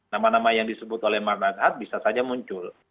nama nama yang disebut oleh mardhan bisa saja muncul